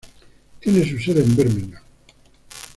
Tiene su sede en Birmingham.